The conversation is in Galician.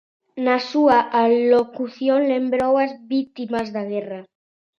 Na súa alocución lembrou as vítimas da guerra.